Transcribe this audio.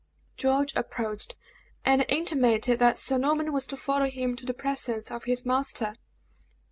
George approached, and intimated that Sir Norman was to follow him to the presence of his master.